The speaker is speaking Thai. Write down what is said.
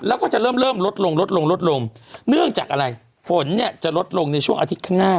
แล้วก็จะเริ่มลดลงเนื่องจากอะไรฝนเนี่ยจะลดลงในช่วงอาทิตย์ข้างหน้า